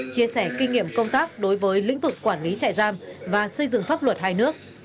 chia sẻ kinh nghiệm công tác đối với lĩnh vực quản lý trại giam và xây dựng pháp luật hai nước